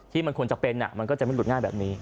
ที่มันควรจะเป็นมันก็จะไม่หลุดง่ายแบบนี้